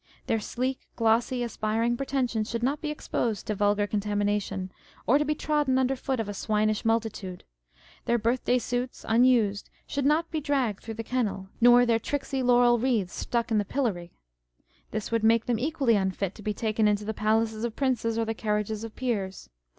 Their sleek, glossy, aspiring pretensions should not be exposed to vulgar contamination, or to be trodden "under foot of a swinish multitude. Their birth day suits (unused) should not be dragged through the kennel, nor their " tricksy " laurel wrreaths stuck in the pillory. This would make them equally unfit to be taken into the palaces of princes or the carriages of peers.